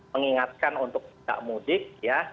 mengingatkan untuk tidak mudik